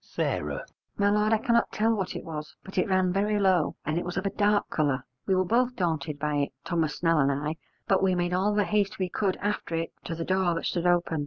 S. My lord, I cannot tell what it was, but it ran very low, and it was of a dark colour. We were both daunted by it, Thomas Snell and I, but we made all the haste we could after it to the door that stood open.